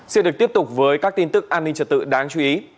xin được tiếp tục với các tin tức an ninh trật tự đáng chú ý